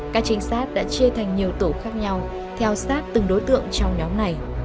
các trinh sát đã chia thành nhiều tổ khác nhau theo sát từng đối tượng trong nhóm này